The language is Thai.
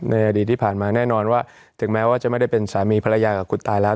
ในอดีตที่ผ่านมาแน่นอนว่าถึงแม้ว่าจะไม่ได้เป็นสามีภรรยากับคุณตายแล้ว